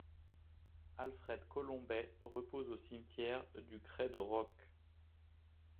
Alfred Colombet repose au cimetière du Crêt de Roc.